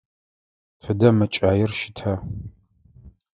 Тыдэ мэкӏаир щыта?